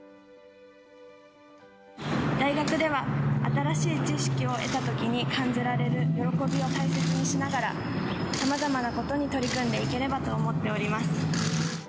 大学では新しい知識を得たときに感じられる喜びを大切にしながら、さまざまなことに取り組んでいければと思っております。